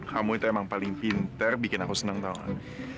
kamu itu emang paling pinter bikin aku senang tau kan